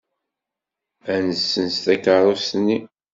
Ad nessenz takeṛṛust-nni.